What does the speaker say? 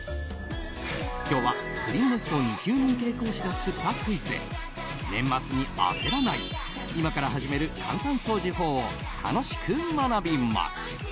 今日はクリンネスト２級認定講師が作ったクイズで年末に焦らない今から始める簡単掃除法を楽しく学びます。